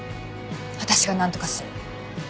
私がなんとかする。